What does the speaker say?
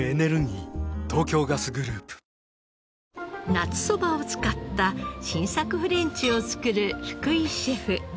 夏そばを使った新作フレンチを作る福井シェフ。